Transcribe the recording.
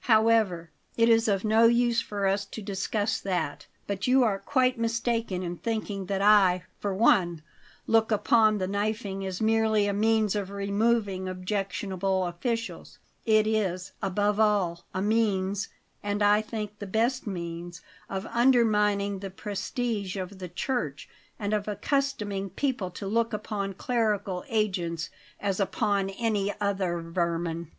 However, it is of no use for us to discuss that. But you are quite mistaken in thinking that I, for one, look upon the knifing as merely a means of removing objectionable officials it is, above all, a means, and I think the best means, of undermining the prestige of the Church and of accustoming people to look upon clerical agents as upon any other vermin."